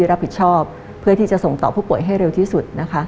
รับผิดชอบเพื่อที่จะส่งต่อผู้ป่วยให้เร็วที่สุดนะคะ